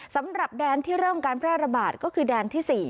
สำหรับแดนที่เริ่มการแพร่ระบาดก็คือแดนที่๔